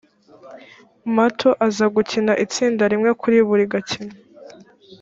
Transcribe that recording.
mato aza gukina itsinda rimwe kuri buri gakino